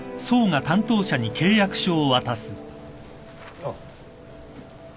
あっ。